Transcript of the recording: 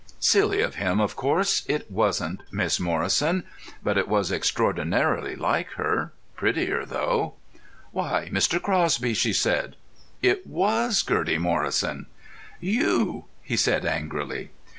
Silly of him; of course, it wasn't Miss Morrison; but it was extraordinarily like her. Prettier, though. "Why, Mr. Crosby!" she said. It was Gertie Morrison. "You!" he said angrily.